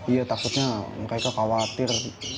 ya takutnya mereka khawatir